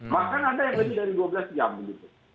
maka ada yang lebih dari dua belas jam